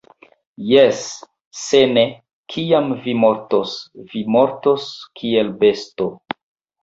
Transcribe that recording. Jes! Se ne, kiam vi mortos, vi mortos kiel besto